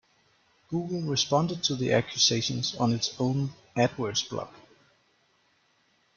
Google responded to the accusations on its own AdWords blog.